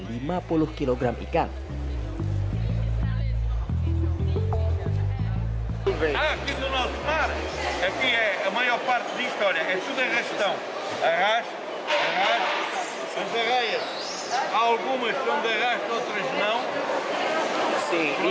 seperti menurut digunakan termana akhirnya kalau mengikuti periksa keadaan